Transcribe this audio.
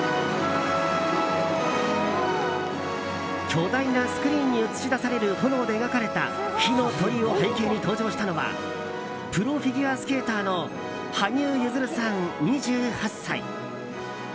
巨大なスクリーンに映し出される炎で描かれた火の鳥を背景に登場したのはプロフィギュアスケーターの羽生結弦さん、２８歳。